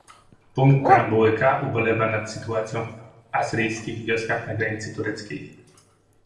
Punkt preambuły K ubolewa nad sytuacją w asyryjskich wioskach na granicy tureckiej